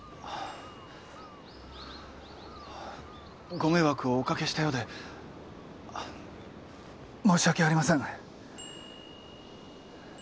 ご迷惑をお掛けしたようで申し訳ありません。